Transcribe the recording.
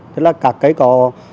tức là các cây có